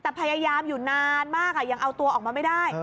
แต่พยายามอยู่นานมากยังเอาตัวออกมาไม่ได้